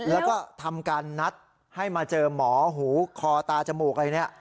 แล้วก็ทำการนัดให้มาเจอหมอหูคอตาจมูกอะไรเนี่ย